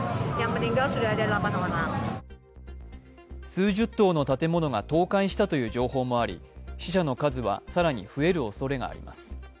数十棟の建物が倒壊したとの情報もあり、死者の数は更に増えるおそれがあります。